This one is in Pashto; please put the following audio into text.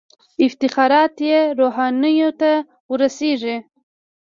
افتخارات یې روحانیونو ته ورسیږي.